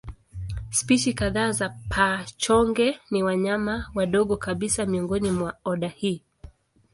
Spishi kadhaa za paa-chonge ni wanyama wadogo kabisa miongoni mwa oda hii.